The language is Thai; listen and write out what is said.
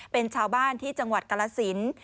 เป็นชาวบ้านที่จังหวัดกรสิน